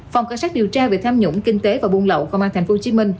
phòng cảnh sát điều tra về tham nhũng kinh tế và buôn lậu công an tp hcm